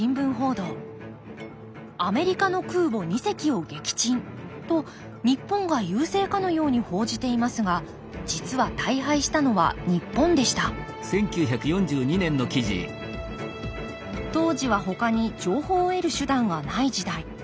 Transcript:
「アメリカの空母二隻を撃沈」と日本が優勢かのように報じていますが実は大敗したのは日本でした当時はほかに情報を得る手段がない時代。